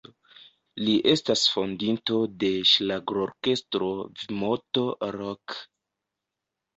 Li estas fondinto de ŝlagrorkestro "V'Moto-Rock".